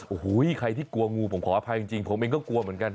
โอ้โหใครที่กลัวงูผมขออภัยจริงผมเองก็กลัวเหมือนกัน